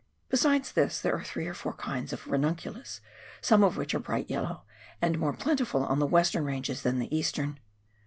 Besides this there are three or four other kinds of ranunciilus, some of which are bright yellow and more plenti ful on the western ranges than the eastern.